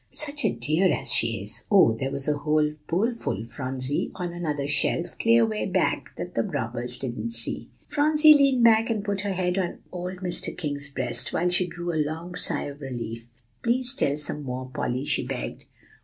"Such a dear as she is! Oh, there was a whole bowl full, Phronsie, on another shelf, clear way back, that the robbers didn't see!" Phronsie leaned back and put her head on old Mr. King's breast, while she drew a long sigh of relief. "Please tell some more, Polly," she begged.